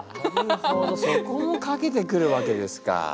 なるほどそこもかけてくるわけですか。